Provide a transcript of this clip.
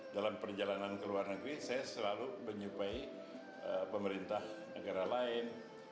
dalam perjalanan ke luar negeri saya selalu menyupai pemerintah negara lain